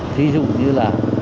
ví dụ như là